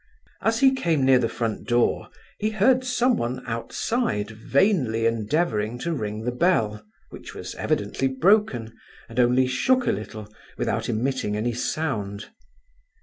As he came near the front door he heard someone outside vainly endeavouring to ring the bell, which was evidently broken, and only shook a little, without emitting any sound.